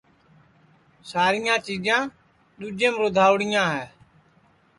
ساریاں چیجاں دؔوجیم رودھاوڑیاں ہے